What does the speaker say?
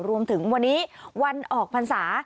รวมถึงวันนี้วันออกพรรษา